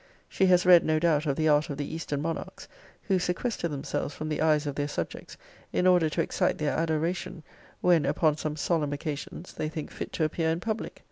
She has read, no doubt, of the art of the eastern monarchs, who sequester themselves from the eyes of their subjects, in order to excite their adoration, when, upon some solemn occasions, they think fit to appear in public.